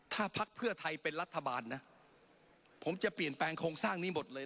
ถ้าพักเพื่อไทยเป็นรัฐบาลนะผมจะเปลี่ยนแปลงโครงสร้างนี้หมดเลย